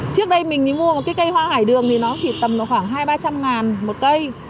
trước đây mình mua một cây hoa hải đường thì nó chỉ tầm khoảng hai trăm linh ba trăm linh ngàn một cây